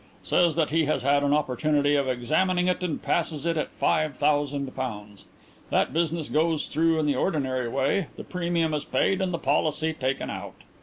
Says that he has had an opportunity of examining it and passes it at five thousand pounds. That business goes through in the ordinary way; the premium is paid and the policy taken out.